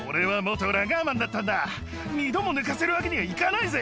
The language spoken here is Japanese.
二度も抜かせるわけにはいかないぜ。